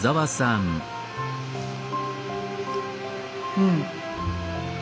うん。